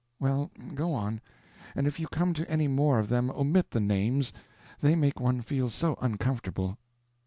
"Well, go on; and if you come to any more of them, omit the names; they make one feel so uncomfortable."